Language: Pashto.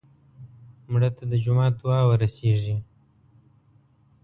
مړه ته د جومات دعا ورسېږي